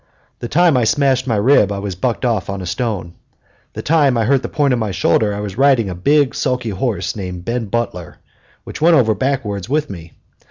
The time I smashed my rib I was bucked off on a stone. The time I hurt the point of my shoulder I was riding a big, sulky horse named Ben Butler, which went over backwards with me.